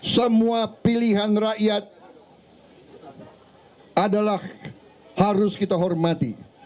semua pilihan rakyat adalah harus kita hormati